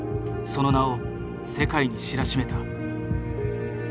その名を世界に知らしめた。